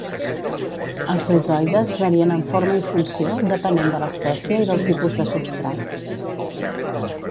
Els rizoides varien en forma i funció depenent de l'espècie i del tipus de substrat.